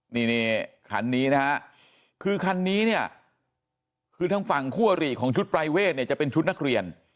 นี่คันนี้นะฮะคือคันนี้เนี่ยคือทางฝั่งคู่อริของชุดปรายเวทเนี่ยจะเป็นชุดนักเรียน